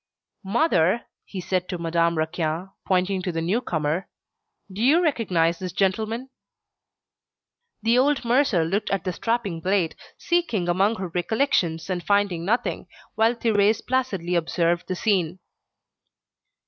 "Mother," he said to Madame Raquin, pointing to the newcomer, "do you recognise this gentleman?" The old mercer looked at the strapping blade, seeking among her recollections and finding nothing, while Thérèse placidly observed the scene.